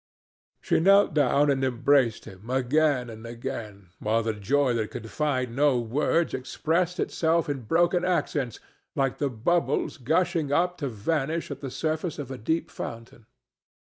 She knelt down and embraced him again and again, while the joy that could find no words expressed itself in broken accents, like the bubbles gushing up to vanish at the surface of a deep fountain.